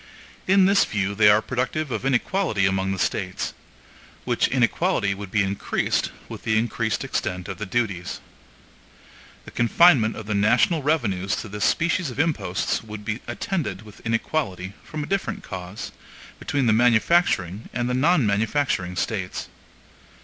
In this view they are productive of inequality among the States; which inequality would be increased with the increased extent of the duties. The confinement of the national revenues to this species of imposts would be attended with inequality, from a different cause, between the manufacturing and the non manufacturing States.